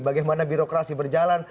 bagaimana birokrasi berjalan